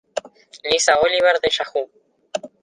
Lisa Oliver de Yahoo!